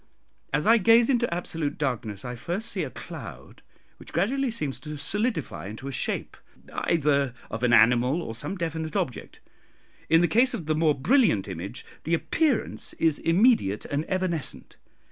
As I gaze into absolute darkness, I first see a cloud, which gradually seems to solidify into a shape, either of an animal or some definite object. In the case of the more brilliant image, the appearance is immediate and evanescent.